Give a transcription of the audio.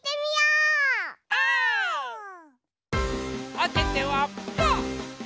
おててはパー！